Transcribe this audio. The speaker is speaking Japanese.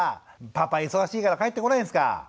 パパ忙しいから帰ってこないですか。